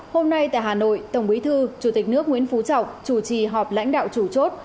hôm nay tại hà nội tổng bí thư chủ tịch nước nguyễn phú trọng chủ trì họp lãnh đạo chủ chốt